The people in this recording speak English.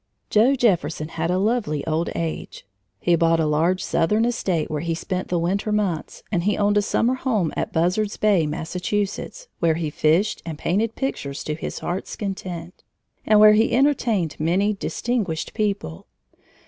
Joe Jefferson had a lovely old age. He bought a large southern estate, where he spent the winter months, and he owned a summer home at Buzzard's Bay, Massachusetts, where he fished and painted pictures to his heart's content, and where he entertained many distinguished people.